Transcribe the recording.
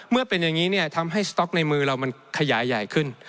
เมื่อเป็นอย่างนี้ทำให้สต๊อกในมือเรามันขยายใหญ่ขึ้น